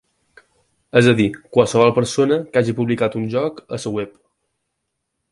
És a dir, qualsevol persona que hagi publicat un joc a la web.